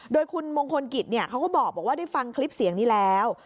โดยคุณมงคลกิจเขาก็บอกว่าได้ฟังคลิปเสียงนี้แล้ว